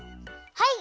はい。